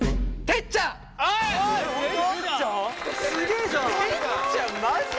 てっちゃんまじ？